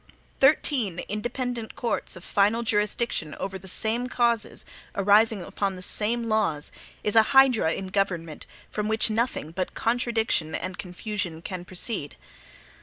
Thirteen independent courts of final jurisdiction over the same causes, arising upon the same laws, is a hydra in government, from which nothing but contradiction and confusion can proceed.